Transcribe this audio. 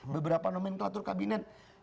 beberapa nomenklatur kabinet